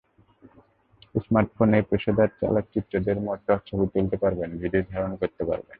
স্মার্টফোনেই পেশাদার আলোকচিত্রীদের মতো ছবি তুলতে পারবেন, ভিডিও ধারণ করতে পারবেন।